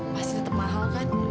pasti tetep mahal kan